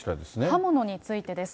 刃物についてです。